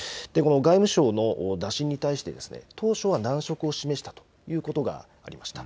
外務省の打診に対して、当初は難色を示したということがありました。